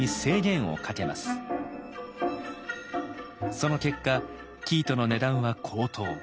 その結果生糸の値段は高騰。